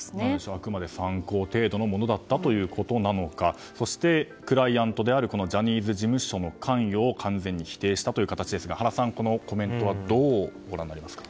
あくまで参考程度のものだったのかということなのかそして、クライアントであるジャニーズ事務所の関与を完全に否定した形ですが原さん、どうご覧になりますか。